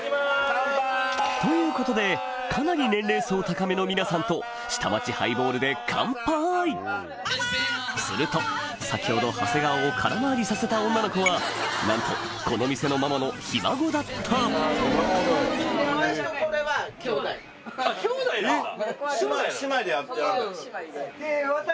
乾杯！ということでかなり年齢層高めの皆さんと下町ハイボールで乾杯すると先ほど長谷川を空回りさせた女の子はなんとこの店のきょうだいなんだ。